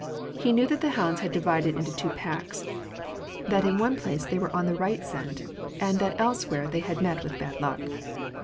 He knew that the hounds had divided into two packs ; that in one place they were on the right scent, and that elsewhere they had met with bad luck.